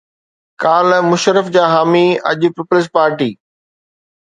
ڪالهه مشرف جا حامي اڄ پيپلز پارٽي